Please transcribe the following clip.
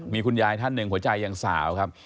มีคุณยายท่านหนึ่งหัวใจยังสาวครับ